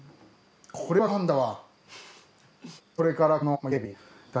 これはご飯だわ。